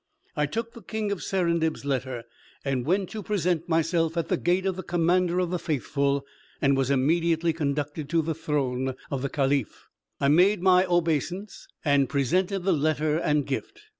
I took the King of Serendib's letter, and went to present myself at the gate of the Commander of the Faithful, and was immediately conducted to the throne of the caliph. I made my obeisance, and presented the letter and gift.